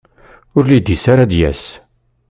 Ur lid-is ara ad d-yas.